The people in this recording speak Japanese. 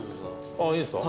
ああいいですか？